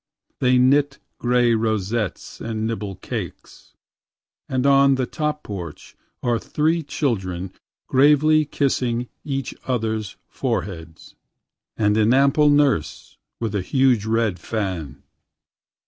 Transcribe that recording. They knit gray rosettes and nibble cakes.…And on the top porch are three childrenGravely kissing each others' foreheads—And an ample nurse with a huge red fan.